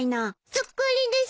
そっくりです。